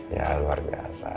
ya luar biasa